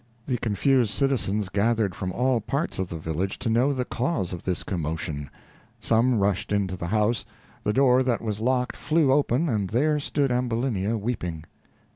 The confused citizens gathered from all parts of the village, to know the cause of this commotion. Some rushed into the house; the door that was locked flew open, and there stood Ambulinia, weeping.